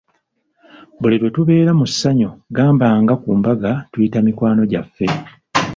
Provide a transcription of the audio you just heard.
Buli lwe tubeeera mu ssanyu gamba nga ku mbaga tuyita mikwano gyaffe.